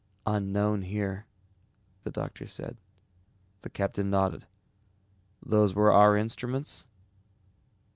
"Unknown here," the doctor said. The captain nodded. "Those were our instruments?"